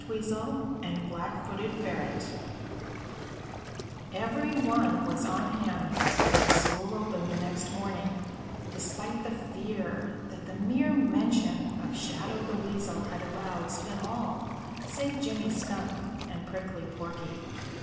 CHAPTER XXIV Shadow and His Family Every one was on hand when school opened the next morning, despite the fear that the mere mention of Shadow the Weasel had aroused in all save Jimmy Skunk and Prickly Porky.